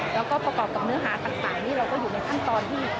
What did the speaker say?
แล้วก็ประกอบกับเนื้อหาต่างนี้เราก็อยู่ในขั้นตอนที่